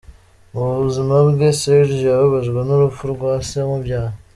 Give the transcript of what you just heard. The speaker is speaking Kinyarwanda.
Mu buzima bwe, Serge yababajwe n’urupfu rwa se umubyara.